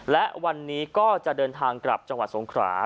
และวันนี้ก็จะเดินทางกลับจังหวัดสงขรา